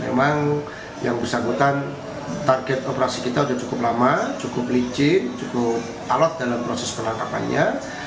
memang yang bersangkutan target operasi kita sudah cukup lama cukup licin cukup alat dalam proses penangkapannya